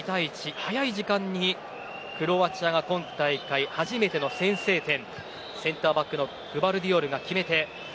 早い時間にクロアチアが今大会初めての先制点をセンターバックのグヴァルディオルが決めて。